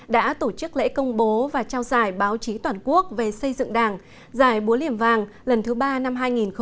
đã tổ chức lễ công bố và trao giải báo chí toàn quốc về xây dựng đảng giải búa liềm vàng lần thứ ba năm hai nghìn một mươi chín